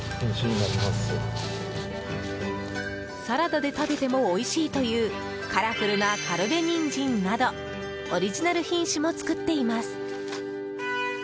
サラダで食べてもおいしいというカラフルな苅部ニンジンなどオリジナル品種も作っています。